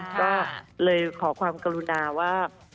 ก็เลยขอความกรุณาว่า